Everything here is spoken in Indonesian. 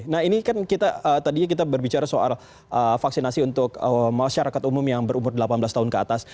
nah ini kan kita tadinya kita berbicara soal vaksinasi untuk masyarakat umum yang berumur delapan belas tahun ke atas